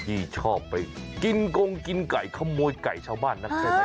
ที่ชอบกินกรงกินไก่ขมวยไก่ชาวบ้าน